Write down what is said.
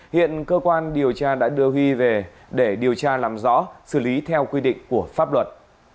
hiện cơ quan điều tra đã đưa huy về để điều tra làm rõ xử lý theo quy định của pháp luật